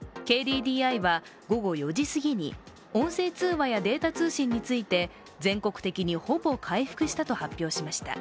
ＫＤＤＩは午後４時過ぎに音声通話やデータ通信について全国的に、ほぼ回復したと発表しました。